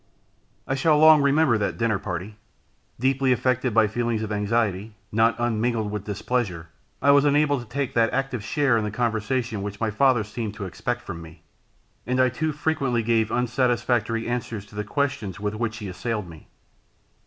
I shall long remember that dinner party. Deeply affected by feelings of anxiety, not unmingled with displeasure, I was unable to take that active share in the conversation which my father seemed to expect from me; and I too frequently gave unsatisfactory answers to the questions with which he assailed me.